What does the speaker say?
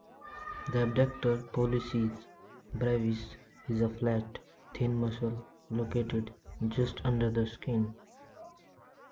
The abductor pollicis brevis is a flat, thin muscle located just under the skin.